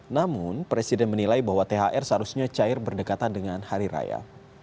namun presiden menilai bahwa thr seharusnya cair berdekatan dengan hari raya